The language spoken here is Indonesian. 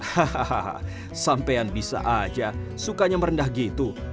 hahaha sampean bisa aja sukanya merendah gitu